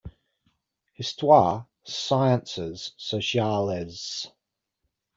Histoire, Sciences Sociales.